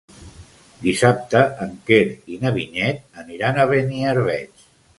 Dissabte en Quer i na Vinyet aniran a Beniarbeig.